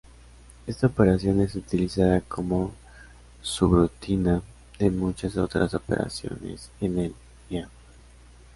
Esta operación es utilizada como subrutina de muchas otras operaciones en el heap.